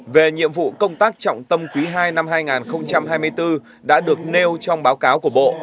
về nhiệm vụ công tác trọng tâm quý ii năm hai nghìn hai mươi bốn đã được nêu trong báo cáo của bộ